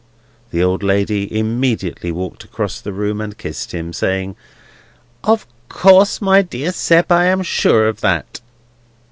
The old lady immediately walked across the room and kissed him: saying, "Of course, my dear Sept, I am sure of that."